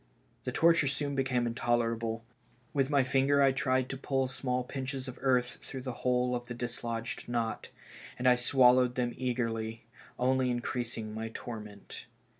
The torture soon became intolerable. With my finger I tried to pull small pinches of earth through the whole of the dislodged knot, and I swallowed them eagerly, only in creasing my torment.